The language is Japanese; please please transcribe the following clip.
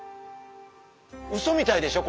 うそみたいでしょ？